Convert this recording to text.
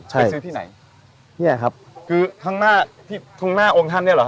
ไปซื้อที่ไหนเนี่ยครับคือข้างหน้าที่ข้างหน้าองค์ท่านเนี่ยเหรอ